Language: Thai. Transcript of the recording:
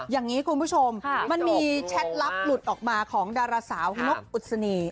อย่างนี้คุณผู้ชมมันมีแชทลับหลุดออกมาของดาราสาวนกอุศนี